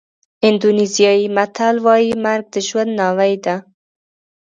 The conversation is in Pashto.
اندونېزیایي متل وایي مرګ د ژوند ناوې ده.